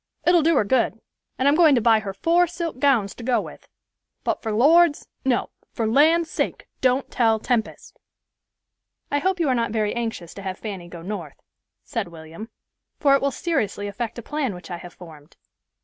It'll do her good; and I'm going to buy her four silk gowns to go with, but for Lord's—no, for land's sake don't tell Tempest." "I hope you are not very anxious to have Fanny go North," said William; "for it will seriously affect a plan which I have formed."